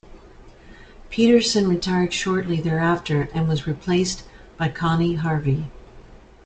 Peterson retired shortly thereafter and was replaced by Connie Harvey.